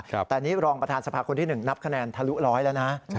แต่อันนี้รองประธานสภาคุณที่๑นับคะแนนทะลุ๑๐๐แล้วนะ